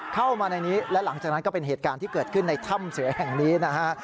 เข้ามาในนี้และหลังจากนั้นก็เป็นเหตุการณ์ที่เกิดขึ้นในถ้ำเสือแห่งนี้นะฮะ